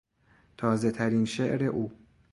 تازهترین شعر او